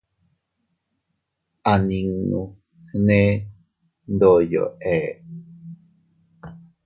A ninnu gne ndoyo ee.